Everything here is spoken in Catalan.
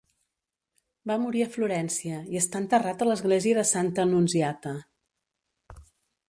Va morir a Florència, i està enterrat a l'església de Santa Annunziata